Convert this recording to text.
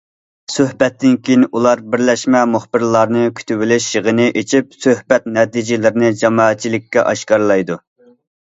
سۆھبەتتىن كېيىن ئۇلار بىرلەشمە مۇخبىرلارنى كۈتۈۋېلىش يىغىنى ئېچىپ، سۆھبەت نەتىجىلىرىنى جامائەتچىلىككە ئاشكارىلايدۇ.